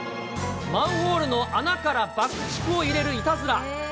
マンホールの穴から爆竹を入れるいたずら。